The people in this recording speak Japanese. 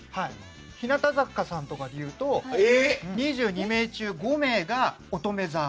日向坂さんとかでいうと２２名中５名が、おとめ座。